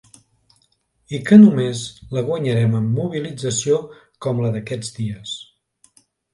I que només la guanyarem amb mobilització com la d'aquests dies.